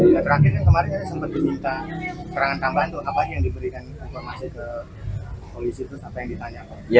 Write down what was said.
ya terakhir kan kemarin sempat diminta keterangan tambahan tuh apa aja yang diberikan informasi ke polisi terus apa yang ditanyakan